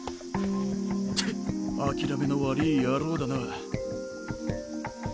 諦めの悪いヤローだな。